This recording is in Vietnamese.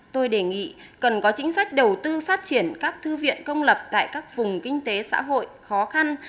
tôi đề nghị cần có chính sách đầu tư phát triển các thư viện công lập tại các vùng kinh tế xã hội khó khăn